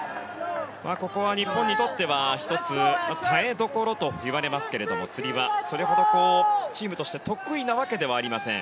ここは日本にとっては１つ耐えどころといわれますけれどもつり輪、それほどチームとして得意なわけではありません。